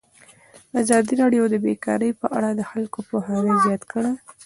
ازادي راډیو د بیکاري په اړه د خلکو پوهاوی زیات کړی.